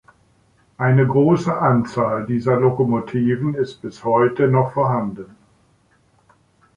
Eine große Anzahl dieser Lokomotiven ist bis heute noch vorhanden.